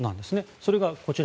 それがこちら。